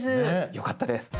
よかったです。